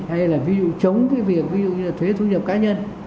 hay là ví dụ chống cái việc ví dụ như là thuế thu nhập cá nhân